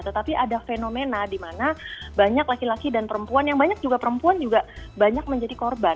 tetapi ada fenomena di mana banyak laki laki dan perempuan yang banyak juga perempuan juga banyak menjadi korban